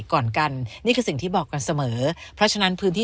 ก่อนกันนี่คือสิ่งที่บอกกันเสมอเพราะฉะนั้นพื้นที่